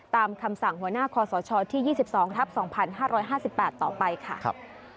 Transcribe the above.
คำสั่งหัวหน้าคอสชที่๒๒ทับ๒๕๕๘ต่อไปค่ะ